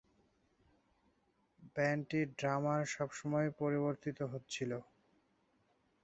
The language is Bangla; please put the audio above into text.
ব্যান্ডটির ড্রামার সবসময়ই পরিবর্তিত হচ্ছিল।